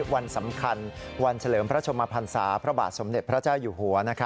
วันสำคัญวันเฉลิมพระชมพันศาพระบาทสมเด็จพระเจ้าอยู่หัว